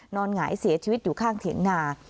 หงายเสียชีวิตอยู่ข้างเถียงนา